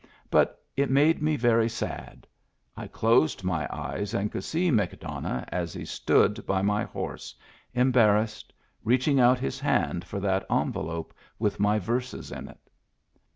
But it made me very sad. I closed my eyes and could see McDonough as he stood by my horse, embarrassed, reaching out his hand for that envelope with my verses on it.